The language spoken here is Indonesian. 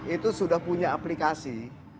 itu sudah punya aplikasi